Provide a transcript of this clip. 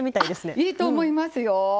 あっいいと思いますよ。